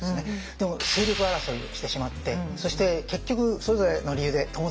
でも勢力争いをしてしまってそして結局それぞれの理由で共倒れになります。